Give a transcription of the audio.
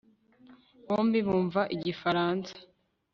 bombi bumva igifaransa